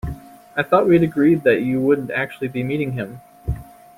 I thought we'd agreed that you wouldn't actually be meeting him?